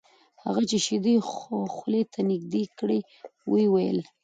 هغه چې شیدې خولې ته نږدې کړې ویې ویل: